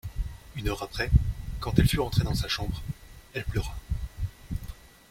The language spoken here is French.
Une heure après, quand elle fut rentrée dans sa chambre, elle pleura.